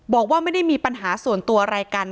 บอกว่าไม่ได้มีปัญหาส่วนตัวอะไรกัน